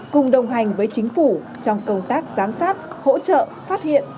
cùng đồng hành với chính phủ trong công tác giám sát hỗ trợ phát hiện